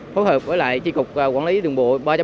phối hợp với chi cục quản lý đường bộ ba bốn